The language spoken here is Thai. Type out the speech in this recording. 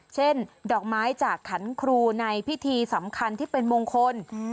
ดอกไม้จากขันครูในพิธีสำคัญที่เป็นมงคล